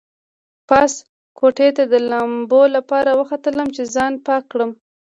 پاس کوټې ته د لامبو لپاره وختلم چې ځان پاک کړم.